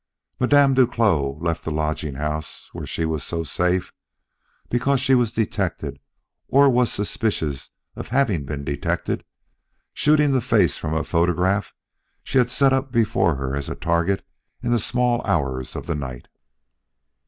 Madame Duclos left the lodging house where she was so safe because she was detected, or was suspicious of having been detected, shooting the face from a photograph she had set up before her as a target in the small hours of the night."